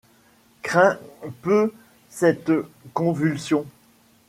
Craint peu cette convulsion ;